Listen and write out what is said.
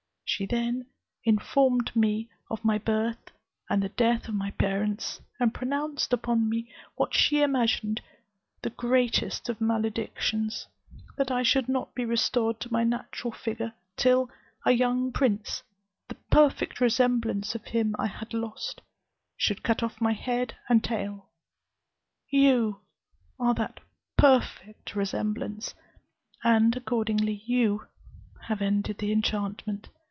She then informed me of my birth, and the death of my parents, and pronounced upon me what she imagined the greatest of maledictions: That I should not be restored to my natural figure till a young prince, the perfect resemblance of him I had lost, should cut off my head and tail. You are that perfect resemblance; and, accordingly, you have ended the enchantment.